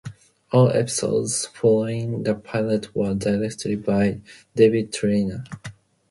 All episodes following the pilot were directed by David Trainer.